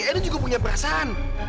edo juga punya perasaan